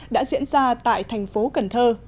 đã diễn ra tại thành phố cần thơ